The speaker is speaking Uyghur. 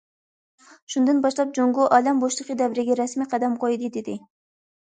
« شۇندىن باشلاپ، جۇڭگو ئالەم بوشلۇقى دەۋرىگە رەسمىي قەدەم قويدى»، دېدى.